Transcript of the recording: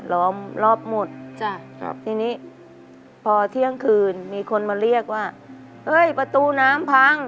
ล้อมรอบหมดจ้ะครับทีนี้พอเที่ยงคืนมีคนมาเรียกว่าเอ้ยประตูน้ำพัง